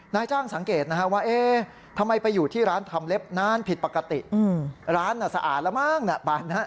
นายจ้างสังเกตนะฮะว่าเอ๊ะทำไมไปอยู่ที่ร้านทำเล็บนานผิดปกติร้านสะอาดแล้วมั้งบานนั้น